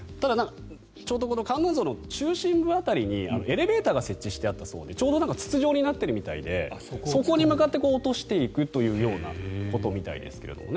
ちょうど観音像の中心部辺りにエレベーターが設置してあったそうでちょうど筒状になっているようでそこに向かって落としていくということのようですけどね。